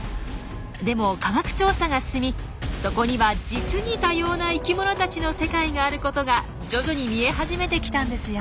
でも科学調査が進みそこには実に多様な生きものたちの世界があることが徐々に見え始めてきたんですよ。